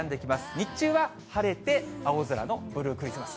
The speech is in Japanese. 日中は晴れて、青空のブルークリスマス。